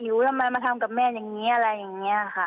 ทำไมมาทำกับแม่อย่างนี้อะไรอย่างนี้ค่ะ